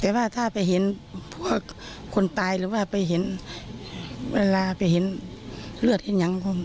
แต่ว่าถ้าไปเห็นพวกคนตายหรือว่าไปเห็นเวลาไปเห็นเลือดเห็นยัง